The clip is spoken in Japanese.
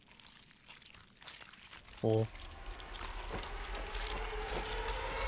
おっ？